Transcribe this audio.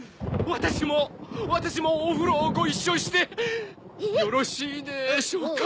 私もお風呂をご一緒してよろしいでしょうか？